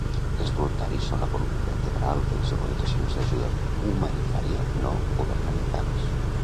Els voluntaris són la columna vertebral de les organitzacions d'ajuda humanitària no governamentals.